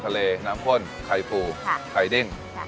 เส้นปลาต้มยำทะเลน้ำข้นไข่ฟูไข่เด้ง